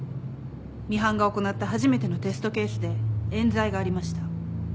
ミハンが行った初めてのテストケースで冤罪がありました。